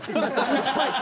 いっぱい。